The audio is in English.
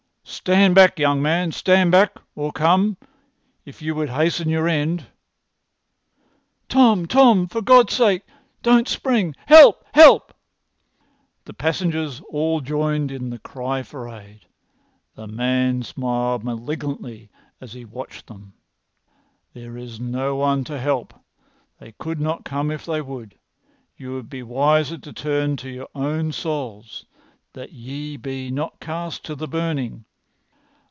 "Stand back, young man! Stand back! Or come—if you would hasten your end." "Tom, Tom, for God's sake, don't spring! Help! Help!" The passengers all joined in the cry for aid. The man smiled malignantly as he watched them. "There is no one to help. They could not come if they would. You would be wiser to turn to your own souls that ye be not cast to the burning.